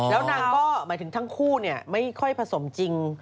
แฟนเขาก็หมายถึงทั้งคู่เนี่ยไม่ค่อยประสมจริง